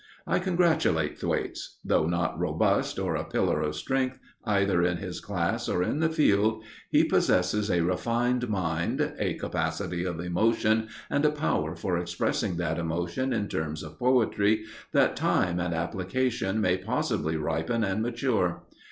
I congratulate Thwaites. Though not robust, or a pillar of strength, either in his class, or in the field, he possesses a refined mind, a capacity of emotion and a power for expressing that emotion in terms of poetry that time and application may possibly ripen and mature.